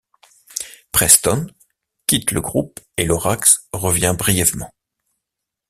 Preston quitte le groupe, et Lorax revient brièvement.